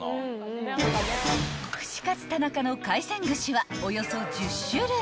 ［串カツ田中の海鮮串はおよそ１０種類］